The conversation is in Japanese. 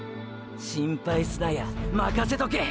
心配すなやまかせとけ！